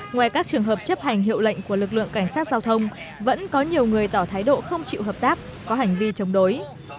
ngoài các trường hợp chấp hành hiệu lệnh của lực lượng cảnh sát giao thông vẫn có nhiều người tỏ thái độ không chịu hợp tác có hành vi chống đối